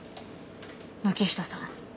軒下さん